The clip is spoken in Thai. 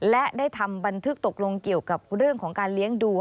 และได้ทำบันทึกตกลงเกี่ยวกับเรื่องของการเลี้ยงดู